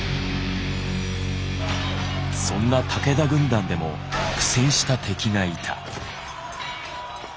そんな武田軍団でも苦戦した敵がいた。